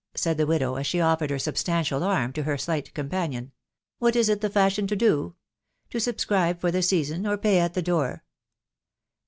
" said the as she offered her substantial arm to her slight " what is it the fashion to do? To subscribe for the or pay at the door